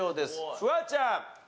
フワちゃん。